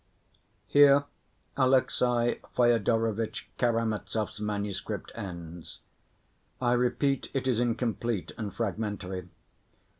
Here Alexey Fyodorovitch Karamazov's manuscript ends. I repeat, it is incomplete and fragmentary.